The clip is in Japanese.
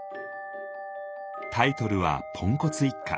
タイトルは「ポンコツ一家」。